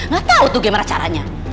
gak tau tuh gimana caranya